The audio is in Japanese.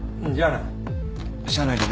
じゃあな。